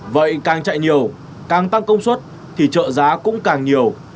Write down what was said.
vậy càng chạy nhiều càng tăng công suất thì trợ giá cũng càng nhiều